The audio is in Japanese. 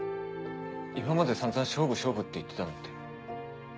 今まで散々勝負勝負って言ってたのって。